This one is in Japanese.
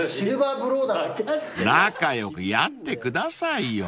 ［仲良くやってくださいよ］